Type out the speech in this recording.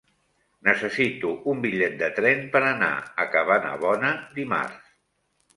Necessito un bitllet de tren per anar a Cabanabona dimarts.